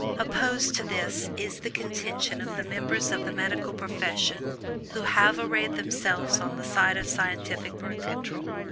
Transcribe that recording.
Opposed to this is the contention of the members of the medical profession who have arrayed themselves on the side of scientific Birth Control.